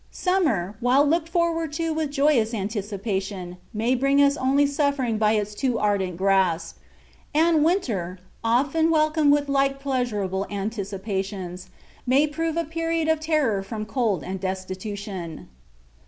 Summer, while looked forward to with joyous anticipation, may bring us only suffering by its too ardent grasp; and winter, often welcomed with like pleasurable anticipations, may prove a period of terror from cold and destitution.